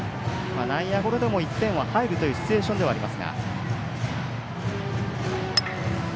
内野ゴロでも１点入るシチュエーションではあります。